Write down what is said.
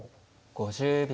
５０秒。